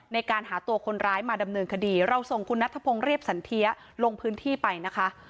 ในการหาตัวคนร้ายมาดำเนินคดีเราส่งคุณนัทพงศ์เรียบสันเทียลงพื้นที่ไปนะคะ